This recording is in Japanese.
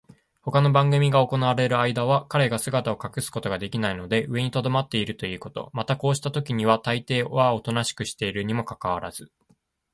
ほかの番組が行われるあいだは、彼が姿を隠すことができないので上にとどまっているということ、またこうしたときにはたいていはおとなしくしているにもかかわらず、